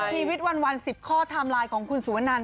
เชี่ยวิทย์วัน๑๐ข้อทำลายของคุณสุวนัน